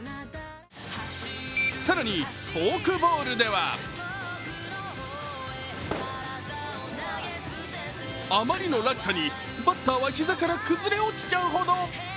更に、フォークボールではあまりの落差にバッターは膝から崩れ落ちちゃうほど。